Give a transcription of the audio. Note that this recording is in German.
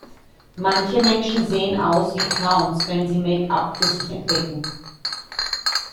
Manche Menschen sehen aus wie Clowns, wenn sie Make-up für sich entdecken.